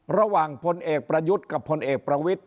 ระหว่างพลเอกประยุทธ์กับพลเอกประวิทธิ์